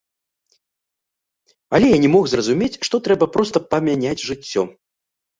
Але я не мог зразумець, што трэба проста памяняць жыццё.